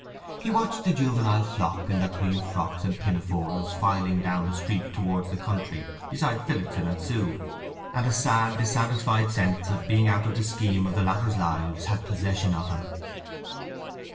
He watched the juvenile flock in their clean frocks and pinafores, filing down the street towards the country beside Phillotson and Sue, and a sad, dissatisfied sense of being out of the scheme of the latters' lives had possession of him.